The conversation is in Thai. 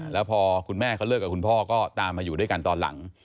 แล้วพอคุณแม่เขาเลิกกับคุณพ่อก็ตามมาอยู่ด้วยกันตอนหลัง